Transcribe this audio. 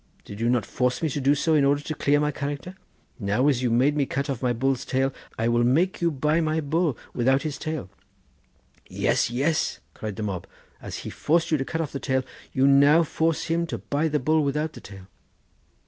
Did you not force me to do so in order to clear my character? Now as you made me cut off my bull's tail, I will make you buy my bull without his tail.' 'Yes, yes,' cried the mob; 'as he forced you to cut off the tail, do you now force him to buy the bull without the tail.